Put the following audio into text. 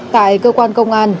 tại cơ quan công an